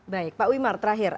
baik pak wimar terakhir